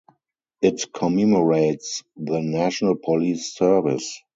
It commemorates the National Police Service.